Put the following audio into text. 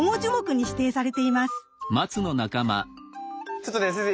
ちょっとね先生